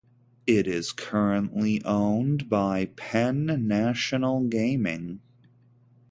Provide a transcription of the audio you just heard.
It is currently owned by Penn National Gaming.